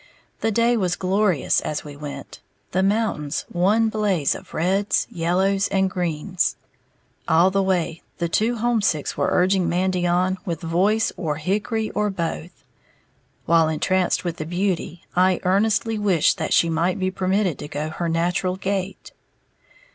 The day was glorious as we went, the mountains one blaze of reds, yellows and greens. All the way, the "two homesicks" were urging Mandy on with voice or hickory or both; while, entranced with the beauty, I earnestly wished that she might be permitted to go her natural gait.